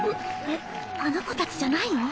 えっあの子たちじゃないの？